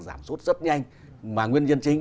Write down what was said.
giảm suốt rất nhanh mà nguyên nhân chính